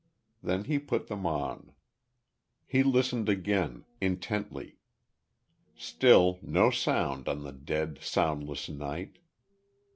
Then he put them on. He listened again intently. Still no sound on the dead, soundless night.